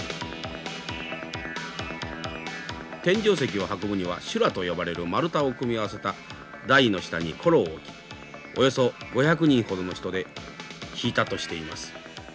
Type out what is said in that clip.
天井石を運ぶには修羅と呼ばれる丸太を組み合わせた台の下に転木を置きおよそ５００人ほどの人で引いたとしています。